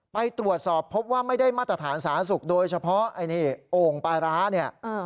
ไปตรวจสอบพบว่าไม่ได้มาตรฐานสาธารณสุขโดยเฉพาะไอ้นี่โอ่งปลาร้าเนี่ย